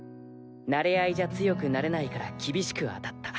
馴れ合いじゃ強くなれないから厳しく当たった。